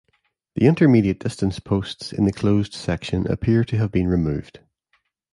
The intermediate distance posts in the closed section appear to have been removed.